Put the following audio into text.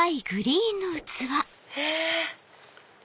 へぇ！